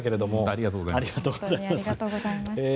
ありがとうございます。